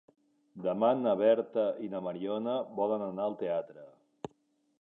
Demà na Berta i na Mariona volen anar al teatre.